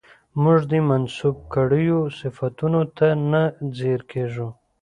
موږ دې منسوب کړيو صفتونو ته نه ځير کېږو